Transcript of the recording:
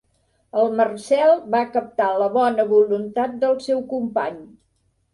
El Marcel va captar la bona voluntat del seu company.